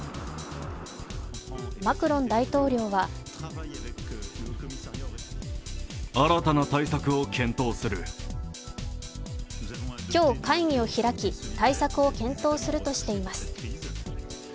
マクロン大統領は今日、会議を開き対策を検討するとしています。